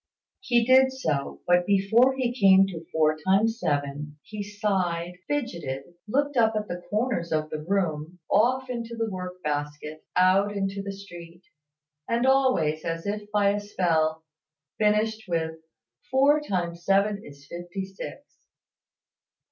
He did so; but before he came to four times seven, he sighed, fidgetted, looked up at the corners of the room, off into the work basket, out into the street, and always, as if by a spell, finished with "four times seven is fifty six."